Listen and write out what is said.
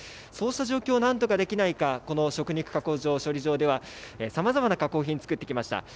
そうした状況をなんとかできないか、この食肉加工場、処理場ではさまざまな加工品、作ってきました。